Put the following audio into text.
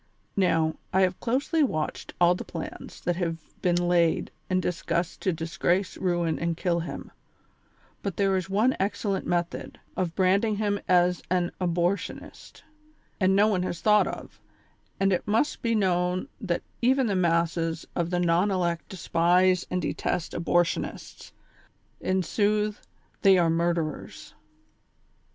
Now, I have closely watched all the plans that have been laid and discussed to disgrace, ruin and kill him ; but tliere is one excellent method, of branding him as an abortionist, that no one has thought of; and it must be known that even the masses of the non elect despise and detest abor tionists ; in sooth, they are murderers.